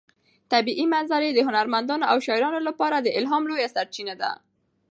طبیعي منظرې د هنرمندانو او شاعرانو لپاره د الهام لویه سرچینه ده.